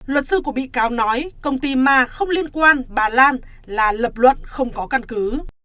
luật sư của bị cáo nói công ty mà không liên quan bà lan là lập luận không có căn cứ